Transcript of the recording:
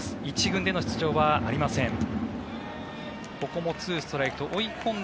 １軍での出場はありません。